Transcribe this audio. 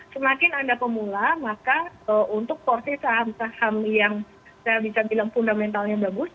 semakin ada pemula maka untuk porsi saham saham yang saya bisa bilang fundamentalnya bagus